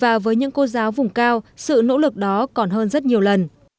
và với những cô giáo vùng cao sự nỗ lực đó còn hơn rất nhiều lần